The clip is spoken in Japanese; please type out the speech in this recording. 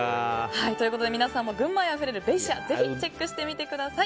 皆さんも群馬愛あふれるベイシアぜひチェックしてみてください。